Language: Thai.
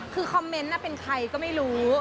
คือคอมเมนต์เป็นใครก็ไม่รู้